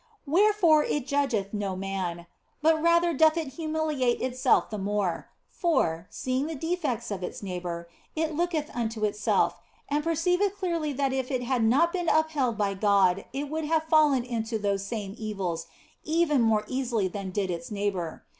Where fore it judgeth no man, but rather doth it humiliate itself the more ; for, seeing the defects of its neighbour, it looketh unto itself and perceiveth clearly that if it had not been upheld by God it would have fallen into those same evils even more easily than did its neighbour.